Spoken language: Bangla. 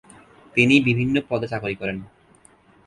তিনি বিভিন্ন পদে চাকুরি করেন।